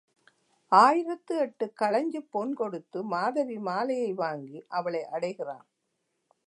ஆயிரத்து எட்டுக் கழஞ்சுப் பொன் கொடுத்து மாதவி மாலையை வாங்கி அவளை அடைகிறான்.